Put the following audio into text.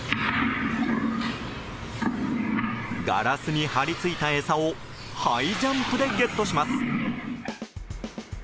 ガラスに張り付いた餌をハイジャンプでゲットします！